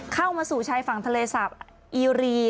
เข้ามาสู่ชายฝั่งทะเลสาบอีรี